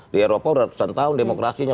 di eropa ratusan tahun demokrasinya